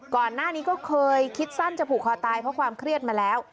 ก่อนหน้านี้ก็เคยคิดสั้นจะผูกคอตายเพราะความเครียดมาแล้ว